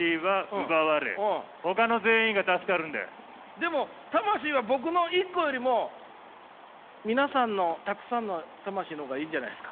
でも魂は僕の一個よりも皆さんのたくさんの魂の方がいいんじゃないですか？